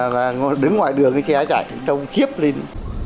bọn đứng ngoài đường xe chạy trông khiếp lên